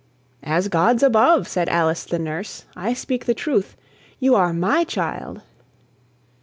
"As God's above," said Alice the nurse, "I speak the truth: you are my child.